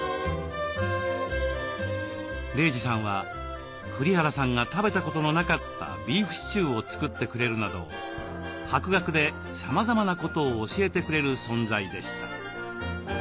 玲児さんは栗原さんが食べたことのなかったビーフシチューを作ってくれるなど博学でさまざまなことを教えてくれる存在でした。